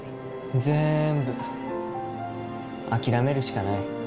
ぜんぶ諦めるしかない。